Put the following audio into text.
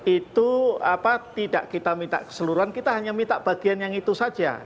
itu tidak kita minta keseluruhan kita hanya minta bagian yang itu saja